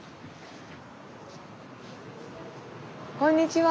こんにちは。